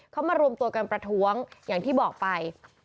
เขามารวมตัวกันประท้วงอย่างที่บอกไป